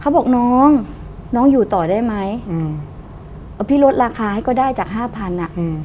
เขาบอกน้องน้องอยู่ต่อได้ไหมอืมเอาพี่ลดราคาให้ก็ได้จากห้าพันอ่ะอืม